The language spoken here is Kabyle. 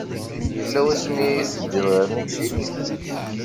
Yella wasmi ay teddiḍ ɣer Miksik?